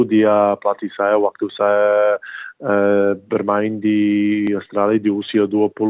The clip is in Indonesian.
dia pelatih saya waktu saya bermain di australia di usia dua puluh